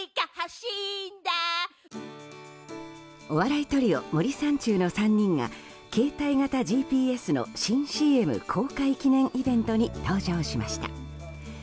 お笑いトリオ森三中の３人が携帯型ＧＰＳの新ＣＭ公開記念イベントに登場しました。